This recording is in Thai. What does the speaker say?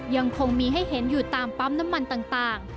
ยังคงมีให้เห็นอยู่ตามปั๊มน้ำมันต่าง